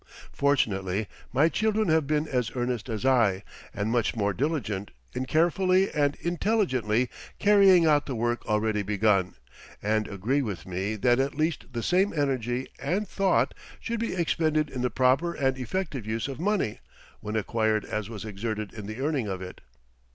Fortunately my children have been as earnest as I, and much more diligent, in carefully and intelligently carrying out the work already begun, and agree with me that at least the same energy and thought should be expended in the proper and effective use of money when acquired as was exerted in the earning of it.